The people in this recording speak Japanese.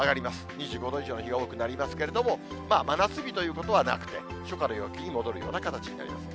２５度以上の日が多くなりますけれども、真夏日ということはなくて、初夏の陽気に戻るような形になります。